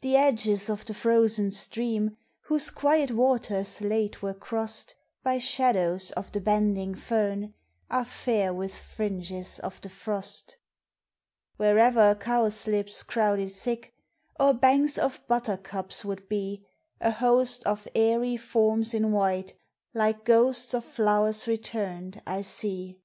The edges of the frozen stream, Whose quiet waters late were crossed By shadows of the bending fern, Are fair with fringes of the frost. Wherever cowslips crowded thick, Or banks of buttercups would be, A host of airy forms in white, Like ghosts of flowers returned, I see.